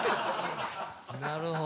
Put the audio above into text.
なるほど。